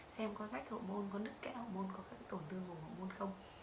xem có rách học môn có nước kẽ học môn có tổn thương vùng học môn không